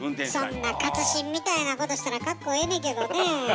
そんな勝新みたいなことしたらかっこええねんけどねえ。